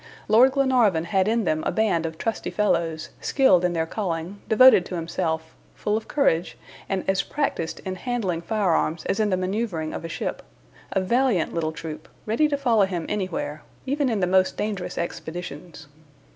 Lord Glenarvan had in them a band of trusty fellows, skilled in their calling, devoted to himself, full of courage, and as practiced in handling fire arms as in the maneuvering of a ship; a valiant little troop, ready to follow him any where, even in the most dangerous expeditions.